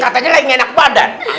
katanya lah yang enak badan